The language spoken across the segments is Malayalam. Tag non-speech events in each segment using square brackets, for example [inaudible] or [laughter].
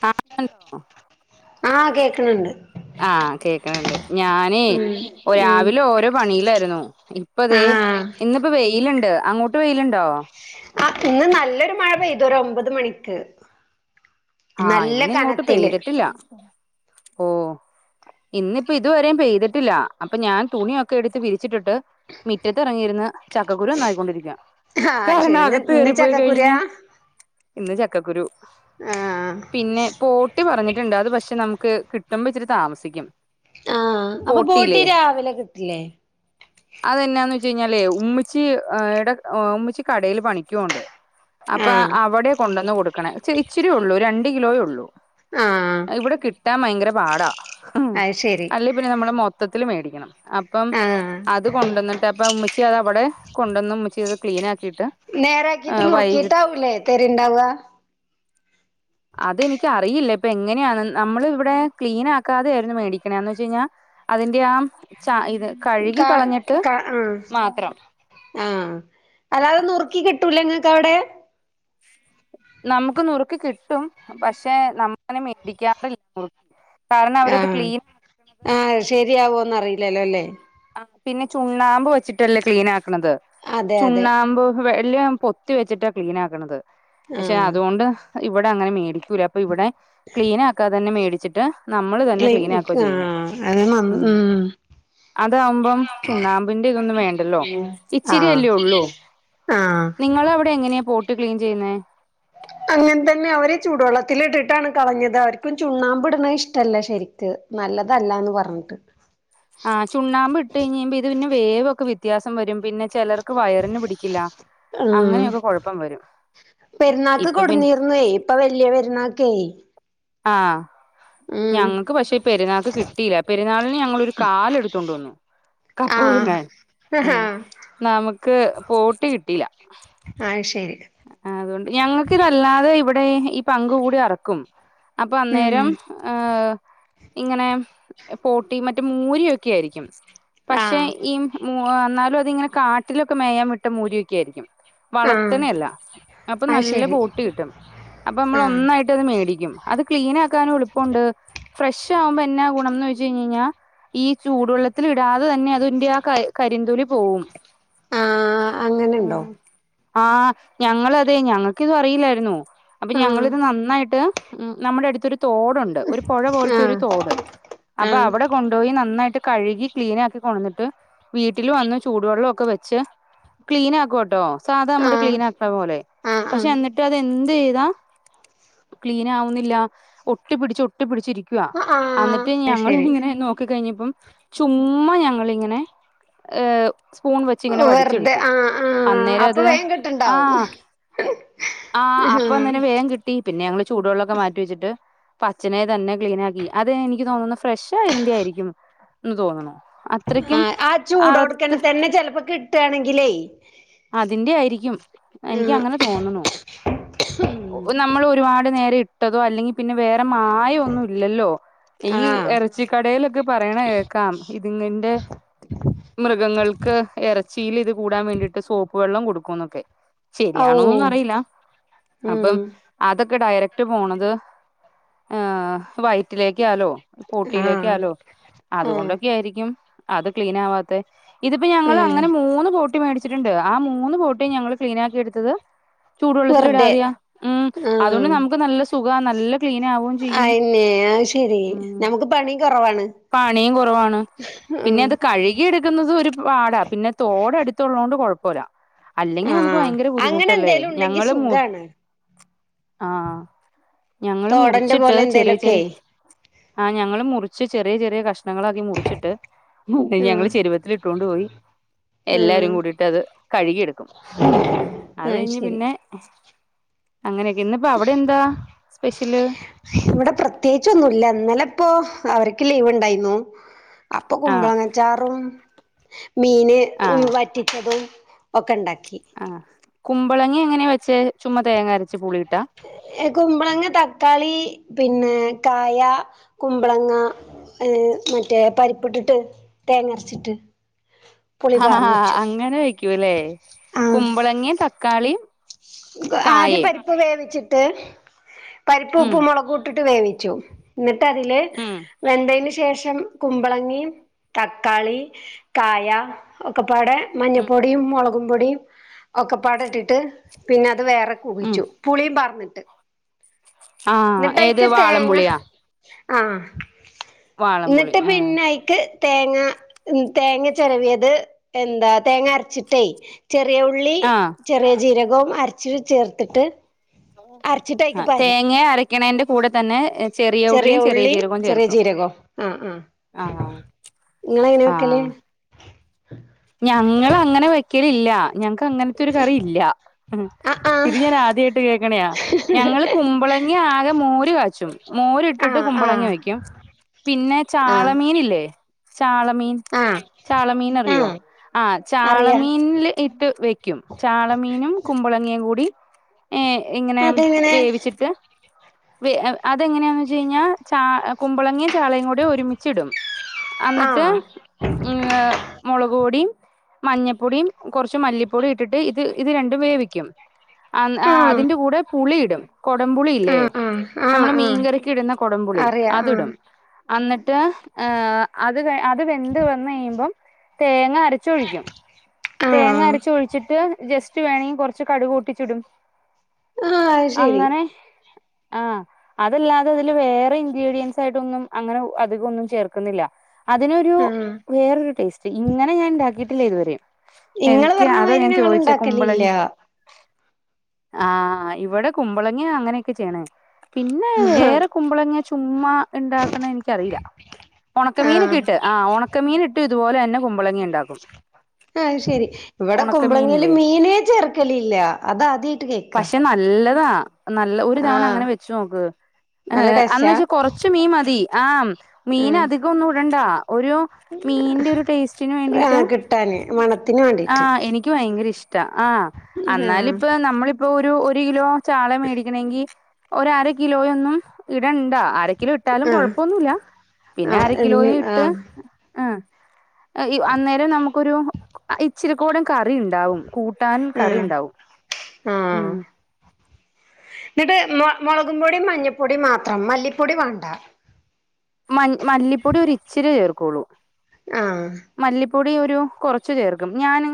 [unintelligible] ഹലോ. ആഹ് കേക്ക്ണ് ണ്ട് ആഹ് കേക്കണണ്ട് ഞാൻ നേ ഉം രാവിലെ ഓരോ പണിയിലായിരുന്നു. ഇപ്പ ദേ ആഹ് ഇന്നിപ്പോ വെയിലുണ്ട് അങ്ങോട്ട് വെയിലുണ്ടോ? ആഹ് ഇന്ന് നല്ലൊരു മഴ പെയ്തു ഒരു ഒമ്പത് മണിക്ക്. ആഹ് നല്ല ഇന്ന് ഇങ്ങോട്ട് കനത്തില് പെയ്തിട്ടില്ല ഓഹ്. ഇന്നിപ്പ ഇതുവരെയും പെയ്തിട്ടില്ല അപ്പൊ ഞാൻ തുണിയൊക്കെ എടുത്ത് വിരിച്ചിട്ടിട്ട് മുറ്റത്തി ഇറങ്ങിയിരുന്ന ചക്കക്കുരു നന്നാക്കിക്കൊണ്ടിരിക്കുക. ആഹ് കാരണം ശരി ഇന്ന് അകത്ത് ഇന്ന് കയറിപ്പോയി കഴിഞ്ഞ ചക്കക്കുരുവാ ഇന്ന് ചക്കക്കുരു- ആഹ്. പിന്നെ പോട്ടി പറഞ്ഞിട്ടുണ്ട് അത് പക്ഷെ നമുക്ക് കിട്ടുമ്പോ ഇച്ചിരി താമസിക്കും. ആഹ് അപ്പൊ ബോട്ടി രാവിലെ കിട്ടില്ലേ? [inaudible] അതെന്നാന്ന വെച്ച കഴിഞ്ഞാലേ ഉമ്മിചി ഇടെ ഉമ്മിച്ച് കടയിൽ പണിക്കൊണ്ട് അപ്പ ആഹ് അവടെ കൊണ്ടന്ന് കൊടുക്കണേ ഇച്ചെ ഇച്ചിരിയ ഉള്ളൂ രണ്ട് കിലോയേ ഉള്ളൂ. ആഹ് ഇവടെ കിട്ടാൻ ഭയങ്കര പാടാ അത് ശരി അല്ല പിന്നെ നമ്മള് മൊത്തത്തിൽ മേടിക്കണം. അപ്പം ആഹ് അത് കൊണ്ടന്നിട്ട് അപ്പൊ ഉമ്മിച്ചി അത് അവിടെ കൊണ്ടുവന്ന് ഉമ്മിച്ചി അത് ക്ലീൻ ആക്കിയിട്ട് നേരക്കീട്ട് വൈകിട്ട് നുറുക്കീട്ടാവൂലേ തരണ്ടാവുക അതെനിക്ക അറിയില്ല ഇപ്പൊ എങ്ങനെയാണ് നമ്മൾ ഇവിടെ ക്ലീൻ ആക്കാതെ ആയിരുന്നു മേടിക്കണ എന്ന് വെച്ച കഴിഞ്ഞാ അതിന്റെ ആ ച ഇത് കഴുകി കാ കളഞ്ഞിട്ട് കാ ആഹ് മാത്രം. ആഹ് അല്ലാതെ ന്നുറുക്കി കിട്ടൂലെ ങ്ങൾക്ക് അവിടെ? നമുക്ക് നുറുകി കിട്ടും പക്ഷെ നമ്മനെ മേടിക്കാറില്ല നുറുക്കി- ഏഹ് ആഹ് ശരിയാവോന്ന് അറിയില്ലല്ലോല്ലേ- ആഹ് പിന്നെ ചുണ്ണാമ്പ് വെച്ചിട്ടല്ലേ ക്ലീൻ ആക്കണത് അതെ അതെ ചുണ്ണാമ്പ് വെള്ളിയ പൊത്തി വെച്ചിട്ടാ ക്ലീൻ ആക്കണത് പക്ഷെ ആഹ് അതുകൊണ്ട് ഇവിടെ അങ്ങനെ മേടിക്കൂലേ അപ്പൊ ഇവിടെ ക്ലീൻ ആക്കാതെ തന്നെ മേടിച്ചിട്ട് നമ്മള് തന്നെ ക്ലീന ആക്കോ ചെയ്യുന്ന ആഹ് അത് നന്ന് ഉം. അതാവുമ്പം ചുണ്ണാമ്പിന്റെ ഇതൊന്നും വേണ്ടല്ലോ ആഹ് ഇച്ചിരിയല്ലേ ഉള്ളൂ. ആഹ് നിങ്ങളെ അവിടെ എങ്ങനെയാ പോട്ട് ക്ലീൻ ചെയ്യുന്നെ? അങ്ങനെ തന്നെ അവര് ചൂടുവെള്ളത്തിലിട്ടിട്ടാണ് കളഞ്ഞത് അവർക്കും ചുണ്ണാമ്പിടണത് ഇഷ്ടല്ല ശരിക്ക്. നല്ലതല്ലാന്ന് പറന്ട്ട്. ആഹ് ചുണ്ണാമ്പ് ഇട്ട് കഴിഞ്ഞ ത് പിന്നെ വേവക്കെ വ്യത്യാസം വരും പിന്നെ ചെലർക്ക് വയറിന് പിടിക്കില്ല. ഉം അങ്ങനെയൊക്കെ കുഴപ്പം വരും പെരുന്നാക്ക് ഇപ്പൊ പിന്നെ കൊടുന്നീർന്നെ ഇപ്പൊ വലിയ പെരുന്നാക്കേ ആഹ്. ഉം ഞങ്ങൾക്ക് പക്ഷേഈ പെരുന്നാൾക്ക് കിട്ടില്ല പെരുന്നാളിന് ഞങ്ങളൊരു കാല എടുതൊണ്ട് വന്നു. കപ്പ ആഹ് പുഴുങ്ങാൻ ഏഹ് ആഹ് നമക്ക് പോട്ടി കിട്ടില്ല. അയ്ശരി. അതുകൊണ്ട് ഞങ്ങൾക്ക് ഇതല്ലാതെ ഇവിടെ ഈ പങ്ക് കൂടി അറക്കും അപ്പൊ ഉം അന്നേരം ഏഹ് ഇങ്ങനെ പോട്ടി മറ്റേ മൂരിയൊക്കെ ആയിരിക്കും. പക്ഷെ ആഹ് ഈ മു ആഹ് ന്നാലും അതിങ്ങനെ കാട്ടിലൊക്കെ മേയാൻ വിട്ട മൂരിയൊക്കെ ആയിരിക്കും ആഹ് വളർത്തനഅല്ല അപ്പൊ അത് നല്ല ശരി ബോട്ടി കിട്ടും. ആഹ് അപ്പൊമ്മളൊന്നായിട്ട് ത് മേടികും അത്ക്ലീനാക്കാനും എളു പ്പണ്ട് ഫ്രഷാവുമ്പോ എന്നാ ഗുണംന്ന് ച്ച് കയ്ഞ്ഞഴിഞ്ഞാ ഈ ചൂടുവെള്ളത്തിൽ ഇടാതെ തന്നെ അതിന്റെ ആ ക കരിന്തൊലി പോവും ആഹ് അങ്ങനെണ്ടോ ആഹ് ഞങ്ങളു അതെ ഞങ്ങക്കിത് അറിയില്ലായിരുന്നു അപ്പൊ ആഹ് ഞങ്ങളിത് നന്നായിട്ട് നമ്മടെ അടുത്തരു തോ ടുണ്ട്, ഒരു പൊഴ പോലത്തെ ഒരു ആഹ് തോട് അപ്പ ആഹ് അവടെ കൊണ്ടോയി നന്നായിട്ട് കഴുകി ക്ലീനാക്കി കൊണ്ടന്നിട്- ട്ട് വീട്ടില് വന്ന് ചൂടുവെള്ളം ഒക്കെ വെച്ച് ക്ലീൻ ആക്കും കേട്ടോ സാധാ നമ്മള് ആഹ് ക്ലീനാക്കണ പോലെ ആഹ് പക്ഷെ ആഹ് എന്നിട് ട്ടു അതെന്തെയ്താ ക്ലീനാവുന്നില്ല ഒട്ടിപ്പിടിച്ചൊട് ട്ടി പ്പിടിച്ചിരിക്കുവാ അ ആഹ് അന്നിട്ട് അത് ശരി ഞങ്ങളിങ്ങനെ നോ ക്കി കയ്ഞ്ഞപ്പം ചുമ്മ ഞങ്ങളിങ്ങനെ ഏഹ് സ്പൂൺ വെച്ചിങ്ങനെ വെറുതെ വടിച്ചെടുത്തു ആഹ് ആഹ് അന്നേരം അപ്പൊ അത് വേഗം കിട്ടുണ്ടാവും ആഹ് ആഹ് അപ്പൊ അങ്ങനെ വേഗം കിട്ടി പിന്നെ ഞങ്ങള് ചൂടുവെള്ളക്കെ മാറ്റി വെച്ചിട്ട് പച്ചനെ തന്നെ ക്ലീൻ ആക്കി അത്, എനിക്ക് തോന്നുന്നു ഫ്രഷായതിന്റെ ആയിരിക്കും ന്ന് തോന്ന്ണു ആഹ് ആ ചൂടോടുക്കണെ തന്നെ ചെലപ്പ കിട്ടാണെങ്കിലേ അതിന്റെ ആയിരിക്കും, ആഹ് എനിക്കങ്ങനെ തോന്ന്ണു ഒ നമ്മളൊരുപാട് നേരം ഇട്ടതോ അല്ലെങ്കി പിന്നെ വേറെ മാ റ്റി ഒന്നും ഇല്ലല്ലോ, ഈ ആഹ് എറച്ചിക്കടയിലൊക്കെ പറയണ കേക്കാം ഇതിങ്ങന്റെ മൃഗങ്ങൾക്ക് എറച്ചീ ല്ത് കൂടാൻ വേണ്ടിട്ട് സോപ്പ് വെള്ളം കൊടുക്കുന്നൊക്കെ ഔ ശരിയാണോന്നൊന്നും അറിയില്ല ഉം അപ്പം അതൊക്കെ ഡയറക്ട് പോണത് ഏഹ് വൈ റ്റിലേക്കാലോ ആഹ് ബോട്ടിയിലേക്കാലോ ആഹ് അതുകൊണ്ടൊക്കെ ആയിരിക്കും അത് ക്ലീനാവാത്തെ. ഇതിപ്പോ ഞങ്ങള്. ഉം അങ്ങനെ മൂന്ന് ബോട്ടി മേടിച്ചിട്ടുണ്ട് ആ മൂന്ന് ബോട്ടിയും ഞങ്ങള് ക്ലീനാക്കി എടുത്തത്. ചൂടുവെള്ളത്തിൽ വെറുതെ ഇടാതെയ ഉം അതുകൊണ്ട് ആഹ് നമുക്ക് നല്ല സുഖ നല്ല ക്ലീൻ ആകും. അയെന്നെ അയ് ശെരി നമുക്ക് പണിം കൊറവാണ്. പണിയും കുറവാണ് പിന്നെ ഉം അത് കഴി കി എടുക്കുന്നതു ഒരു പാടാ പിന്നെ തോടടുത്തുള്ളത് കൊണ്ട് കൊഴപ്പവില്ല. അല്ലെങ്കി നമുക്ക് ആഹ് ഭയങ്കര അങ്ങനെ ബുദ്ധിമുട്ടല്ലേ എന്തേലും ഉണ്ടെങ്കി ഞങ്ങള് മു സുഖാണ് - ആഹ് ഞങ്ങള് തോടന്റെ മുറിച്ചിട്ട് പോലെ ചെറിയ എന്തേലൊക്കെ ചെറിയ. ആഹ് ഞങ്ങള് മുറിച്ച് ചെറിയ ചെറിയ കഷ്ണങ്ങളാക്കി മുറിച്ചിട്ട്. ഞങ്ങള് ആഹ് ചെരുവത്തിലിട്ടോണ്ട് പോയി എല്ലാ-. രും ആഹ് കൂടിട്ടത് കഴുകിയെടുക്കും അത് കഴിഞ്ഞ് പിന്നെ. അങ്ങനെയൊക്കെ ഇന്ന്പ്പ അവിടെ എന്താ സ്പെഷ്യല്? ഇവിടെ പ്രത്യേകിച്ചൊന്നുല്ല ഇന്നലെപ്പോ അവർക്ക് ലീവ് ണ്ടായിന്നു. അപ്പൊ ആഹ് കുമ്പളങ്ങച്ചാറും മീന് ഉ ആഹ് വറ്റിച്ചതും. ഒക്കെ ണ്ടാക്കി. ആഹ് കുമ്പളങ്ങ എങ്ങനാ വെച്ചെ ചുമ്മാ തേങ്ങ അരച്ച് പുളിയിട്ടാ. കുമ്പളങ്ങ തക്കാളി പിന്നെ കായ കുമ്പളങ്ങ. ഏഹ് മറ്റേ പരിപ്പിട്ടിട്ട് തേങ്ങരച്ചിട്ട്. പുളി ആഹ് പാർന്ന് വെച്ചു അങ്ങനെ വെക്കൂല്ലേ ആഹ് കുമ്പളങ്ങിം തക്കാളിം. ആദ്യം പരിപ്പ് വേവിച്ചിട്ട് പരിപ്പ് ഉം ഉപ്പും മൊളകു ഇട്ടി ട്ട് വേവിച്ചു ന്നട്ട് അതില്. ഉം വെന്തേന് ശേഷം കുമ്പളങ്ങി തക്കാളി കായ. ഒക്ക പ്പാടെ ഉം മഞ്ഞപ്പൊടിം മൊളകും പൊടിം ഒക്കെ പ്പാട ഇട്ടിട്ട് പിന്നെ അത് വേറെ. ഉം കുവിച്ചു പുളീം പാർന്നിട്ട്. ആഹ് ഏത് ന്നട്ടയിക്ക് തേങ്ങ വാളംപുളിയാ ആ വാളംപുളി ന്നട്ട് ആഹ് പിന്ന അയിക്ക്. തേങ്ങ ഉം തേങ്ങ ചെരവിയത് എന്താ തേങ്ങ അര്ച്ചിട്ടെയ്. ചെറിയ ഉള്ളി ആഹ് ചെറിയ ജീരകവും അരച് ചേർത്ത്ട്ട്. ആ തേങ്ങ അരക്ക്ണേന്റെ കൂടെ തന്നെ. ചെറിയ ഉള്ളിയും ഉള്ളി ജീരകവും ചെറിയ ചേർക്കും ജീരകും ആ ആ ആഹ് ഇങ്ങള് എങ്ങനെ വെക്കല് ഞങ്ങള് അങ്ങനെ വെക്കലില്ല ഞങ്ങക് അങ്ങൻത്തൊര് കറി ഇല്ല ആഹ് ഇത് ഞാൻ ആഹ് ആദ്യായിട്ട് കേക്ക്ണയാ. ഞങ്ങള് കുമ്പളങ്ങ ആകെ മോര് കാച്ചും മോര് ഇട്ട്ട്ട് കുമ്പളങ്ങ ആഹ് വക്ക്യും പിന്നെ ആഹ് ചാളമീന് ഇല്ലേ ചാളമീൻ ആഹ് ചാളമീൻ ആഹ് അറിയോ ആഹ് ആ അറിയാ ചാളമീൻല് ഇട്ട് വെക്യും ചാളമീനും കുമ്പളങ്ങേ കൂടി. ഏ ഇങ്ങനെ അതെങ്ങനെ വേവിച്ചിട്ട്. വെ അതെങ്ങനെയാന്ന് വെച്ച് കഴിഞ്ഞാ ചാ കുമ്പളങ്ങേ ചാളയും കൂടെ ഒരുമിച്ചി ഇടും. അന്നിട്ട് ആഹ് ഉം ഏ പൊടിം മഞ്ഞപോടിം കൊർച്ച് മല്ലിപ്പൊടി ഇട്ട്ട്ട് ഇത് ഇത് രണ്ടും വേവിക്യും അ ആ ആഹ് അതിന്റെ കൂടെ പുളി ഇടും കൊടംപുളിയില്ലേ ആഹ് ആഹ് ആഹ് നമ്മള് ആഹ് മീൻകറിക്ക് ഇടുന്ന കൊടംപുളി അറിയാ അത് ആഹ് ഇടും. അന്നിട്ട് ഏ അത് ക അത് വെന്ത് വന്ന് കഴിയുമ്പം തേങ്ങ അരച്ചൊഴിക്ക്യും ആഹ് തേങ്ങ ആഹ് അരച് ഒഴിച്ചിട്ട് ജസ്റ്റ് വേണെങ്കി കൊർച്ച് കട്ക് പൊട്ടിച്ചിടും. അത് ശരി അങ്ങനെ ആ അതല്ലാതെ അതില് വേറെ ഇൻഗ്രീഡിയൻസ് ആയിട്ടൊന്നും അങ്ങനെ അധിക ഒന്നും ചേർക്കുന്നില്ല. അതിനൊരു ആഹ് വേറൊരു ടേസ്റ്റ് ഇങ്ങനെ ഞാൻ ഇണ്ടാക്കിയിട്ടില്ല ഇതുവരേം ഇങ്ങള് എൻക്ക് അതാ പറഞ്ഞമാതിരി ഞാൻ ഞങ്ങള് ചോയിചെ കുമ്പളൻ. ഇണ്ടാക്കലില്ല ആ ഇവട കുമ്പളങ്ങ അങ്ങനെയൊക്കെ ചെയ്യ്ണേ പിന്നെ വേറെ കുമ്പളങ്ങ ചുമ്മാ ഇണ്ടാക്ക്ണ എനിക്കറീല ഒണക്കമീനൊക്കെ ആഹ് ഇട്ട് ആ ഒണക്കമീൻ ഇട്ട് ഇതുപോലെ തന്നെ കുമ്പളങ്ങ ഇണ്ടാക്കും അത് ശരി ഇവട കുമ്പളങ്ങേല് ഉണക്കമീനില്ലേ മീനേ ചേർക്കലില്ല അത് ആദ്യായിട്ട് കേക്കാ പക്ഷെ നല്ലതാ നല്ല ഒരു തവണ ആഹ് അങ്ങനെ വെച് നോക്ക് ഏ നല്ല അന്ന് ടേസ്റ്റാ വെച് കൊർച്ച് മീൻ മതി ആ മീന് ഉം അധിക ഒന്നു ഇടണ്ടാ ഒരു മീന്റെ ഒരു ടേസ്റ്റിന് വേണ്ടിയിട്ട് ട്ടാന് മണത്തിന് വേണ്ടീട്ട് ക്ക് ഭയങ്കര ഇഷ്ടാ ആ അന്നാല് ഇപ്പ നമ്മള്പ്പോ ഒരു ഒരു കിലോ ചാള മേടിക്കണങ്കി ഒര് അര കിലോയൊന്നും ഇടണ്ടാ അര കിലോ ഇട്ടാലും ആ ആ കൊഴപ്പൊന്നുല്ല പിന്നെ അര കിലോയ്‌ ആ ഇട്ട് ആ അന്നേരം നമുക്കൊരു ഇച്ചിരി കൂടേം കറി ഇണ്ടാവും കൂട്ടാനും ആ കറി ഇണ്ടാവും ഉം ന്നട്ട് മൊ മൊളകും പൊടിം മഞ്ഞ പോടിം മാത്രം മല്ലി പോടി വാണ്ട മൻ മല്ലിപ്പൊടി ഒരു ഇച്ചിരി ചേർക്കോള്ളൂ ആഹ് മല്ലിപ്പൊടി ഒരു കോറച്ച് ചേർക്കും ഞാന്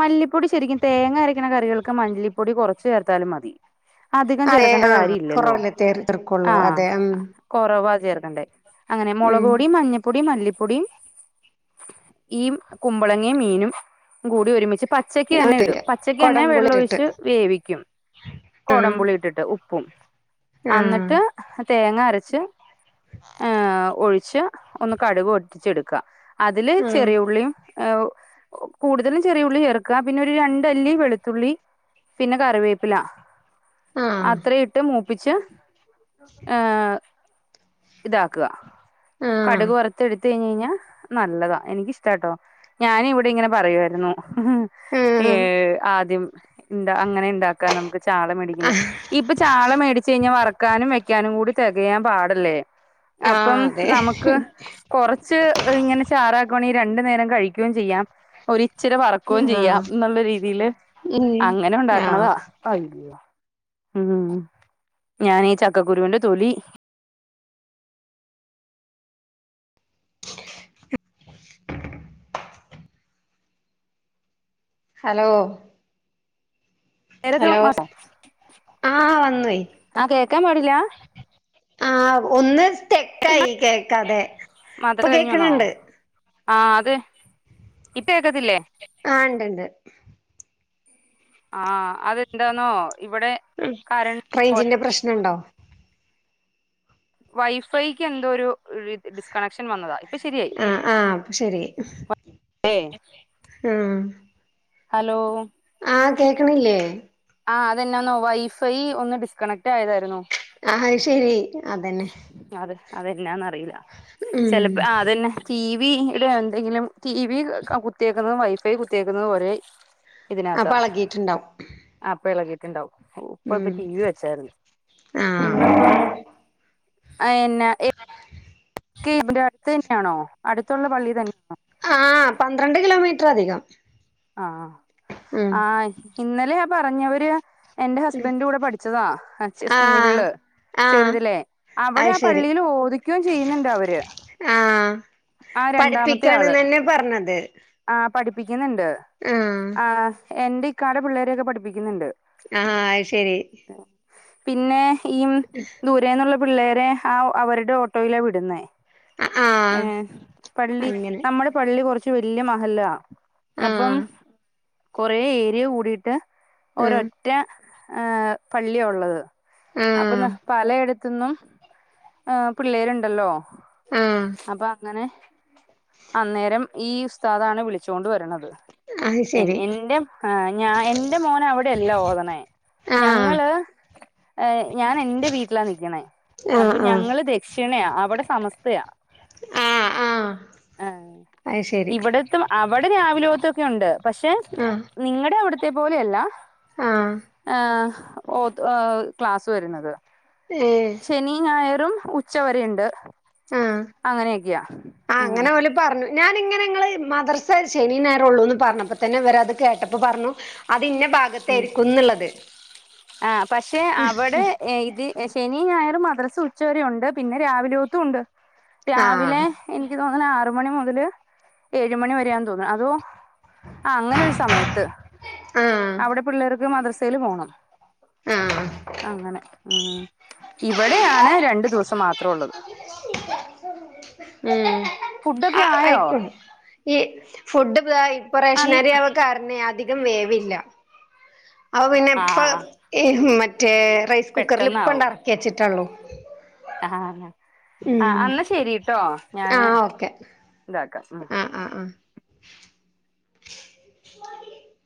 മല്ലിപ്പൊടി ശരിക്കും തേങ്ങ അരയ്ക്കണ കറികൾക്ക് മല്ലിപ്പൊടി കുറച്ച് ചേർത്താലും മതി അധികം അതെ ചേർക്കണ്ട ആ കാര്യം ഇല്ലല്ലോ കുറവല്ലേ തേർ തീർക്കുള്ളൂ ആഹ് അതെ ഉം കൊറവാ ചേർക്കണ്ടേ അങ്ങനെ ഉം മുളക്പൊടിയും മഞ്ഞ പൊടി മല്ലിപ്പൊടിയും ഈ കുമ്പളങ്ങയും മീനും കൂടി ഒരുമിച്ച് പച്ചക് തന്നെ ഇടും ഇല്ല പച്ചക് തന്നെ കൊടംപുളി വെള്ളമൊഴിച്ച് ഇട്ടിട്ട് വേവിക്കും കൊടംപുളി ആ ഇട്ടിട്ട് ഉ പ്പും ആ അന്നിട്ട് തേങ്ങ അരച്ച് [unintelligible] ഒഴിച്ച് ഒന്ന് കടുക് പൊട്ടിച്ചെടുക്കാം അതില് ആ ചെറിയ ഉള്ളിയും ഏഹ് കൂടുതലും ചെറിയ ഉള്ളി ചേർക്കുക പിന്നെ ഒരു രണ്ടല്ലി വെളുത്തുള്ളി പിന്നെ കറിവേപ്പിലാ ആ അത്ര ഇട്ട് മൂപ്പിച്ച് ഏഹ് ഇതാക്കുക ആ കടുക് വറുത്ത് എടുത്ത് കഴിഞ്ഞ് കഴിഞ്ഞാൽ നല്ലതാ. എനിക്കിഷ്ടാട്ടോ ഞാനും ഇവിടെ ഇങ്ങനെ പറയുവായിരുന്നു ആ ഏഹ് ആദ്യം എന്താ അങ്ങനെ ഇണ്ടാക്കാ നമുക്ക് ചാള മേടിക്കുമ്പോ ഇപ്പൊ ചാള മേടിച്ച് കഴിഞ്ഞാൽ വറക്കാനും വെക്കാനും കൂടി തികയാൻ പാടല്ലേ ആ അപ്പോ അതെ നമുക്ക് കൊറച്ച് ഇങ്ങനെ ചാറാക്കവാണെങ്കിൽ രണ്ടു നേരം കഴിക് ക്ക്യും ചെയ്യാം ഒരിച്ചിരി വറക്കുകയും ആ ചെയ്യാം എന്നുള്ള രീതിയില് ഉം അങ്ങനെ ആ ഉണ്ടാക്കണതാ അയ്യോ ഉം ഞാനീ ചക്കക്കുരുവിന്റെ തൊലി ഹലോ ഏതൊക്കെ ഹലോ മാസം. ആ വന്നോയ് ആ കേൾക്കാൻ പാടില്ല ആഹ് ഒന്ന് സ്റ്റെക്കായി കേൾക്കാതെ മദ്രസ ഇപ്പൊ കഴിഞ്ഞു വന്നോ കേൾക്ണണ്ട് ആ അതെ ഇപ്പ കേക്കത്തില്ലേ ആ ഉണ്ട്ണ്ട് ആഹ് അതെന്താന്നോ ഇവിടെ കരണ്ട് പോയ റേഞ്ചിന്റെ പ്രശ്നം ഉണ്ടോ വൈഫൈക്ക് എന്തോ ഒരു ഡിസ്കണക്ഷൻ വന്നതാ ഇപ്പൊ ശരിയായി ആഹ് ആഹ് ശരി ഏ ആഹ് ഹലോ ആഹ് കേക്കണില്ലേ ആ അതെന്നാന്നോ വൈഫൈ ഒന്ന് ഡിസ്കണക്ട് ആയതായിരുന്നു ആഹ് അത് ശരി അതന്നെ അതെ അതന്നാന്നറിയില്ല ഉം ചെലപ്പോ അതന്നെ ടി വിടെ എന്തെങ്കിലും ടി വി കുത്തിയേക്കുന്നതും വൈഫൈ കുത്തിയേക്കുന്നത് ഒരേ അപ്പൊ ഇതിനകത്താ എളകീട്ടുണ്ടാവും അപ്പോ ഇളകീട്ടുണ്ടാവും. ഇപ്പ ഉം ടി വി വെച്ചാരുന്നു. ആഹ് ഇന്നിപ്പം അയെന്നാ എക് കി ഇയിന്റെ അടുത്ത് തന്നെയാണോ. അടുത്തൊള്ള പള്ളി തന്നെയാണോ? ആഹ് പന്ത്രണ്ട് കിലോമീറ്റർ അധികം ആഹ് ഉം ആയ ഇന്നെലെ ആ പറഞ്ഞവര് എന്റെ ഹസ്ബെൻഡിന്റെ കൂടെ പഠിച്ചതാ അച്ചേ ആഹ് സ്കൂളില് ആഹ് ചെറുതില്ലേ. അവടെ അത് ആ ശരി പള്ളീല് ഓതിക്കുകയും ചെയ്യുന്നുണ്ട് അവര്. ആ രണ്ടാമത്തെ ആള് പഠിപ്പിക്കണന്ന് തന്നെ പറഞ്ഞത്. ആ പഠിപ്പിക്കുന്നിണ്ട്. ആഹ് ആഹ് എന്റെ ഇക്കാടെ പിള്ളേരെയൊക്കെ പഠിപ്പിക്കുന്നിണ്ട്. ആഹ് അത് ശരി പിന്നെ ഈ ദൂരെന്നുള്ള പിള്ളേരെ ആഹ് അവരുടെ ഓട്ടോയിലാ വിടുന്നേ. ആഹ് ഏഹ്, പള്ളി അങ്ങനെ നമ്മള് പള്ളി കൊറെച്ച് വെല്യാ മഹല്ലാ. അപ്പം ആഹ് കൊറെ ഏരിയ കൂടിയിട്ട് ആഹ് ഒരൊറ്റ ഏഹ് പള്ളിയാ ഒള്ളത്. അപ്പം ആഹ് ഇന്ന പലയിടത്ത്ന്നും ഏഹ് പിള്ളേരൊണ്ടല്ലോ. ആഹ് അപ്പ അ ങ്ങനെ അന്നേരം ഈ ഉസ്താദാണ് വിളിച്ചോണ്ട് വരണത്. അത് എൻ ശരി എന്റെ ഏഹ് ഞാ എന്റെ മോന് അവിടെയല്ല ഓതണേ, ആഹ് ഞങ്ങള് ഏഹ്, ഞാൻ എന്റെ വീട്ടിലാ നിക്കണേ. ആഹ് അപ്പൊ ആഹ് ഞങ്ങള് ദക്ഷിണയാ അവടെ സമസ്തയാ. ആഹ് ആഹ് ആഹ്, അത് ശരി ഇവിടത്തെ മ അവടെ രാവിലോയോത്തൊക്കെയൊണ്ട്. പക്ഷെ ആഹ് നിങ്ങടെ അവിടത്തെ പോലെയല്ല. ആഹ് ഏഹ് ഓത്ത് ഏഹ് ക്ലാസ് വെര്ണത്. ഏഹ് ശനിയും ഞായറും ഉച്ചവരെയിണ്ട് ആഹ് അങ്ങനെയൊക്കെയാ. ആഹ് അങ്ങനെ ഓല് പറഞ്ഞു. ഞാനിങ്ങനെ നിങ്ങള് മദർസേ ശനീം ഞായറും ഉള്ളൂന്ന് പറഞ്ഞപ്പത്തന്നെ ഇവരത് കേട്ടപ്പ പറഞ്ഞു. അത് ഇന്ന ഭാഗത്തായിരിക്കുന്നുള്ളത്. ഏഹ് ഇത് ഏഹ്, ശനിയും ഞായറും മദ്രസ് ഉച്ചവരെ ഒണ്ട്. പിന്നെ രാവിലെ ഓത്തും ഉണ്ട്. രാവിലെ ആഹ് എനിക്ക് തോന്നണ് ആറ് മണി മുതല് ഏഴ് മണി വെരയാന്ന് തോന്നു. അതും അങ്ങനെ ഒരു സമയത്ത്. ആഹ് അവടെ പിള്ളേർക്ക് മദ്രസേല് പോണം. ആഹ് അങ്ങനെ ഇവടെയാണ് രണ്ടു ദുവസം മാത്രം ഉള്ളത്. ഉം ഫുഡൊക്കെ ആയോ [unintelligible] ഈ ഫുഡ് ഇപ്പൊ ഇതാ ഇപ്പൊ അന്ന് റേഷനരി ആവെ കാരണം അധികം വേവില്ല. അപ്പ പിന്നെ ആ ഇപ്പ ഈ മറ്റേ റൈസ് കുക്കറില് പെട്ടെന്നാവും ഇപ്പണ്ടെറക്കി വച്ചിട്ടൊള്ളു. ആഹ് ഇന്നാ ആഹ് ഇന്നാ ശരിട്ടോ ഞാന് ആഹ് ഓക്കെ ഇതാക്കാ, ഉം ആഹ്, ആഹ് വാടി